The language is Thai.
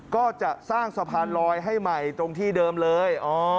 ก็จะสร้างสะพานลอยให้ใหม่ตรงที่เดิมเลย